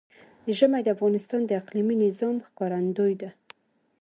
ژمی د افغانستان د اقلیمي نظام ښکارندوی ده.